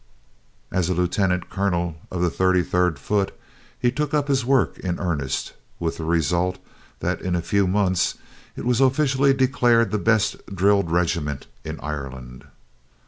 As lieutenant colonel of the Thirty Third Foot, he took up his work in earnest, with the result that in a few months it was officially declared to be the best drilled regiment in Ireland.